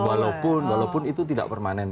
walaupun walaupun itu tidak permanen